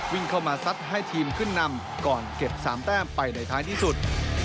วิ่งเข้ามาซัดให้ทีมขึ้นนำก่อนเก็บ๓แต้มไปในท้ายที่สุด